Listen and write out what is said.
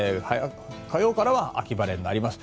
火曜からは秋晴れになります。